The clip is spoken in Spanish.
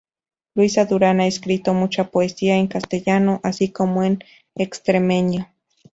Luisa Durán ha escrito mucha poesía en castellano así como en extremeño.